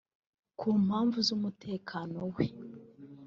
Ku mpamvu z’umutekano we